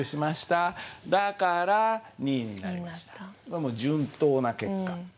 これもう順当な結果。